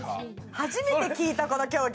初めて聞いたこの競技。